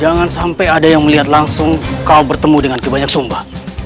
jangan sampai ada yang melihat langsung kau bertemu dengan kebanyakan sumpah